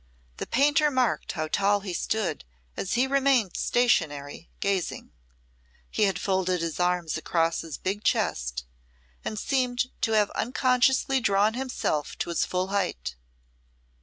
The painter marked how tall he stood as he remained stationary, gazing. He had folded his arms across his big chest and seemed to have unconsciously drawn himself to his full height.